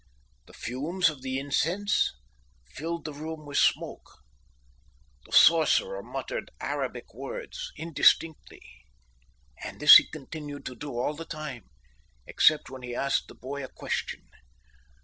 The fumes of the incense filled the room with smoke. The sorcerer muttered Arabic words, indistinctly, and this he continued to do all the time except when he asked the boy a question.